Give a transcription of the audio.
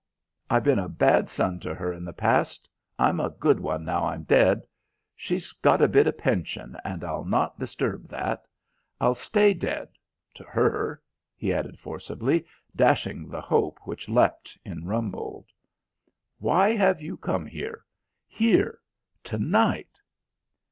I been a bad son to her in the past. I'm a good one now I'm dead. She's got a bit o' pension, and I'll not disturb that. I'll stay dead to her," he added forcibly, dashing the hope which leapt in Rumbold. "Why have you come here? Here to night?"